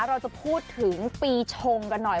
เราจะพูดถึงปีชงกันหน่อย